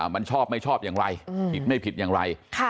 มันชอบไม่ชอบอย่างไรผิดไม่ผิดอย่างไร